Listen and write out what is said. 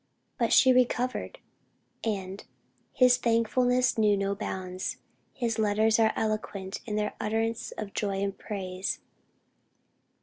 But she recovered, and "his thankfulness knew no bounds, his letters are eloquent in their utterance of joy and praise."